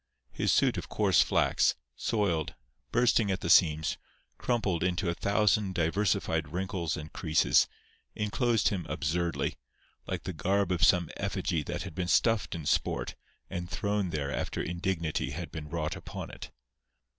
His suit of coarse flax, soiled, bursting at the seams, crumpled into a thousand diversified wrinkles and creases, inclosed him absurdly, like the garb of some effigy that had been stuffed in sport and thrown there after indignity had been wrought upon it.